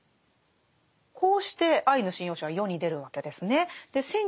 こうして「アイヌ神謡集」は世に出るわけですね。